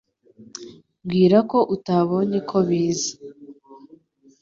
Mbwira ko utabonye ko biza